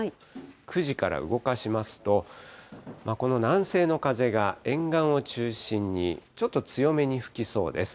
９時から動かしますと、この南西の風が沿岸を中心にちょっと強めに吹きそうです。